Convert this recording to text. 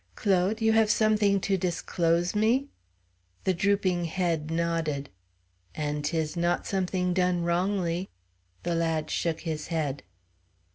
"Claude, you have something to disclose me?" The drooping head nodded. "And 'tis not something done wrongly?" The lad shook his head.